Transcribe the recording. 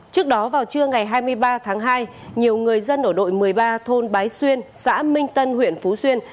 trước đó vào trưa ngày hai mươi ba tháng hai nhiều người dân ở đội một mươi ba thôn bái xuyên xã minh tân huyện phú xuyên